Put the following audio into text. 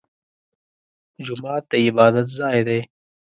جومات د عبادت ځای دی